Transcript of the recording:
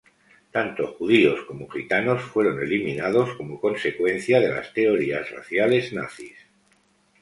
Tanto judíos como gitanos fueron eliminados como consecuencia de las teorías raciales nazis.